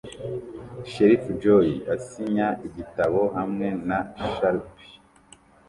shelifu Joey asinya igitabo hamwe na Sharpie